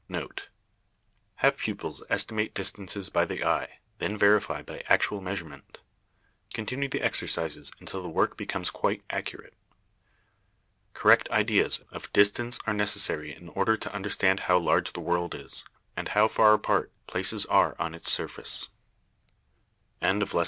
NOTE. Have pupils estimate distances by the eye, then verify by actual measurement. Continue the exercises until the work becomes quite accurate. Correct ideas of distance are necessary in order to understand how large the world is, and how far apart places are on its surface. LESSON VIII.